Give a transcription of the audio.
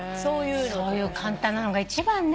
そういう簡単なのが一番ね。